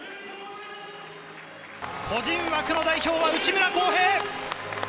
個人枠の代表は内村航平！